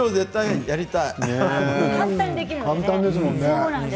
簡単ですもんね。